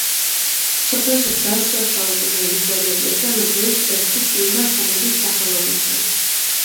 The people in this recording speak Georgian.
სოფელში დგას შუა საუკუნეების ორი ეკლესია, მათ შორის ერთი წმინდა სამების სახელობისა.